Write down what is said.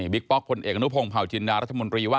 บิ๊กป๊อกพลเอกกระนุพงศ์เผ่าจินดาวรัฐมนตรี